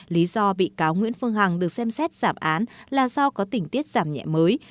lý do bị cáo nguyễn phương hằng được xem xét giảm án là do có tình tiết giảm nhẹ mới